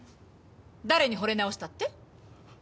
誰に惚れ直したって？